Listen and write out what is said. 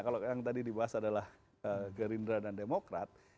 kalau yang tadi dibahas adalah gerindra dan demokrat